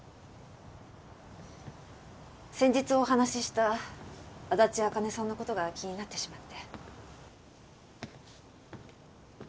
先日お話しした足立茜さんの事が気になってしまって。